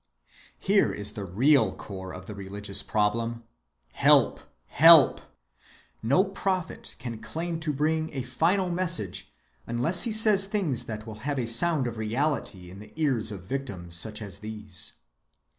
Here is the real core of the religious problem: Help! help! No prophet can claim to bring a final message unless he says things that will have a sound of reality in the ears of victims such as these.